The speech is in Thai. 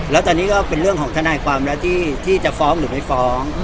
แล้วตอนนี้ก็เป็นเรื่องของทนายความแล้วที่จะฟ้องหรือไม่ฟ้อง